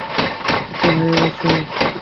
শক্ত হয়ে বসো!